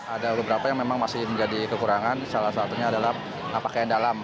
ada beberapa yang memang masih menjadi kekurangan salah satunya adalah pakaian dalam